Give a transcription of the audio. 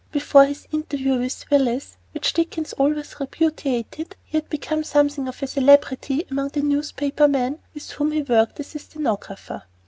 Before this interview with Willis, which Dickens always repudiated, he had become something of a celebrity among the newspaper men with whom he worked as a stenographer.